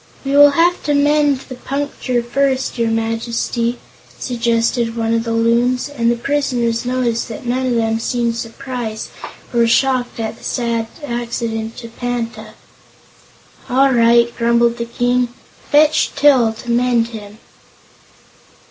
"We will have to mend the puncture first, your Majesty," suggested one of the Loons, and the prisoners noticed that none of them seemed surprised or shocked at the sad accident to Panta. "All right," grumbled the King. "Fetch Til to mend him."